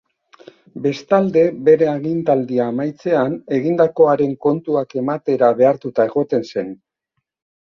Bestalde, bere agintaldia amaitzean, egindakoaren kontuak ematera behartuta egoten zen.